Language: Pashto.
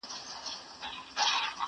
چي خوشحال په زړه زخمي ورڅخه ولاړی٫